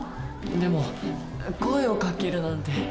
でも声をかけるなんて。